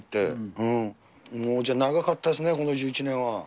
もうじゃあ、長かったですね、この１１年は。